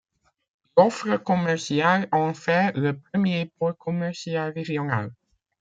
L'offre commerciale en fait le premier pôle commercial régional.